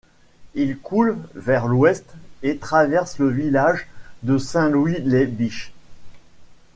Il coule vers l'ouest et traverse le village de Saint-Louis-lès-Bitche.